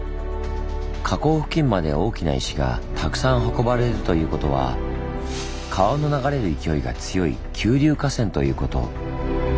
河口付近まで大きな石がたくさん運ばれるということは川の流れる勢いが強い急流河川ということ。